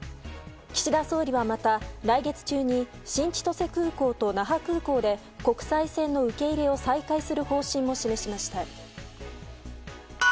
岸田総理はまた来月中に新千歳空港と那覇空港で国際線の受け入れを再開する方針も示しました。